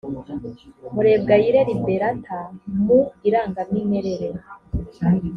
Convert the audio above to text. murebwayire liberata mu irangamimerere